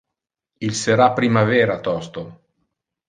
Il sera primavera tosto.